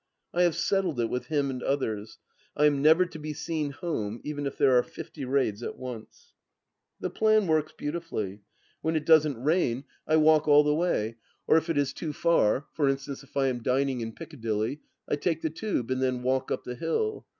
.,. I have settled it with him and others. I am never to be seen home even if there are fifty raids at once. The plan wotks beautifully. When it doesn't rain I walk 16 226 THE LAST DITCH all the way, or if it is too far — for instance, if I am dining in Piccadilly — I take the Tube, and then walk up the hill.